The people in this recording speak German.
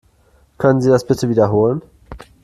Können Sie das bitte wiederholen?